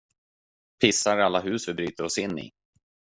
Pissar i alla hus vi bryter oss in i.